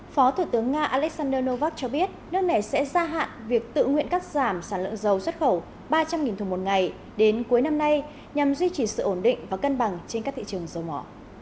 phó thủ tướng nga alexander novak cho biết nước này sẽ gia hạn việc tự nguyện cắt giảm sản lượng dầu xuất khẩu ba trăm linh thùng một ngày đến cuối năm nay nhằm duy trì sự ổn định và cân bằng trên các thị trường dầu mỏ